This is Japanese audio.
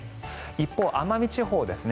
一方、奄美地方ですね